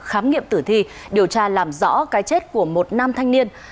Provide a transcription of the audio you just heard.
khám nghiệm tử thi điều tra làm rõ cái chết của một nam thanh niên